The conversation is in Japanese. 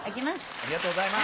ありがとうございます。